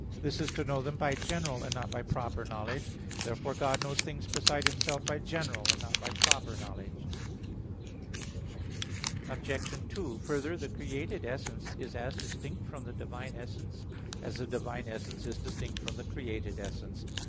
This is to know them by general, and not by proper knowledge. Therefore God knows things besides Himself by general, and not by proper knowledge. Obj. 2: Further, the created essence is as distant from the divine essence, as the divine essence is distant from the created essence.